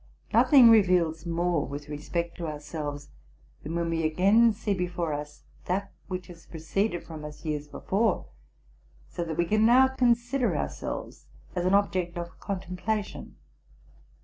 Nothing reveals more with respect to ourselves, than when we again see before us that which has proceeded from us years before, so that we can now consider ourselves as an object of contemplation.